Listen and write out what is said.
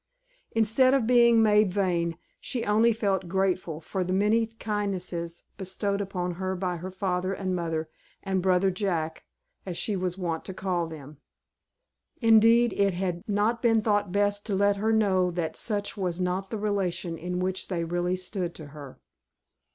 Instead of being made vain, she only felt grateful for the many kindnesses bestowed upon her by her father and mother and brother Jack, as she was wont to call them. Indeed, it had not been thought best to let her know that such was not the relation in which they really stood to her.